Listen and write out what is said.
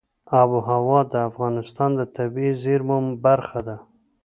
آب وهوا د افغانستان د طبیعي زیرمو برخه ده.